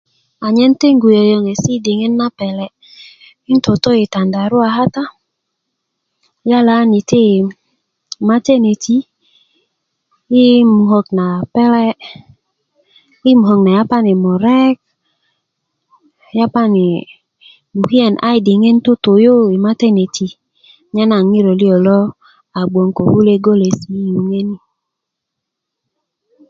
anyen tengu yoyonŋesi diŋit na pele 'ntoto i tandaruwa kata yal ann iti i mateneti yi mukök na pele' i mukök na yapani murek yapni bukiyen ai diŋit 'ntutu yu i mateneti nyena ŋiro lio lo a gboŋ ko kule golesi i yuŋe ni